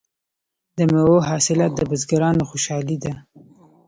د میوو حاصلات د بزګرانو خوشحالي ده.